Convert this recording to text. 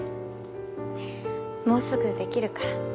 もうすぐできるから。